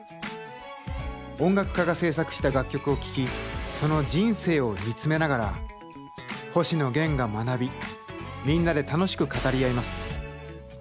音楽家が制作した楽曲を聴きその人生を見つめながら星野源が学びみんなで楽しく語り合います。